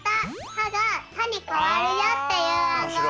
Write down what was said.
「は」が「た」にかわるよっていうあんごう。